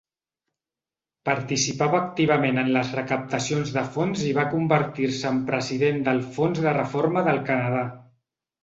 Participava activament en les recaptacions de fons i va convertir-se en president del Fons de Reforma del Canadà.